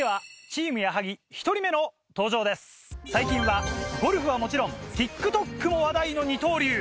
最近はゴルフはもちろんＴｉｋＴｏｋも話題の二刀流。